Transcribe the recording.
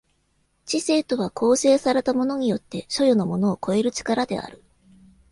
知性とは構成されたものによって所与のものを超える力である。